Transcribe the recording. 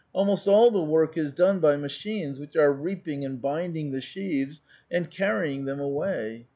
Almost all the work is done by ma chines, which are reaping and binding the sheaves, and car rying them away.